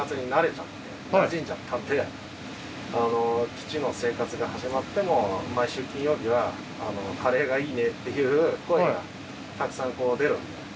基地の生活が始まっても毎週金曜日はカレーがいいねっていう声がたくさん出るんで。